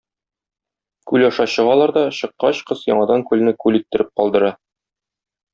Күл аша чыгалар да, чыккач, кыз яңадан күлне күл иттереп калдыра.